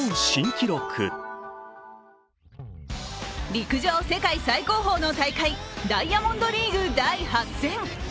陸上世界最高峰の大会、ダイヤモンドリーグ第８戦。